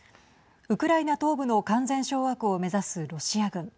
ウクライナ東部の完全掌握を目指すロシア軍。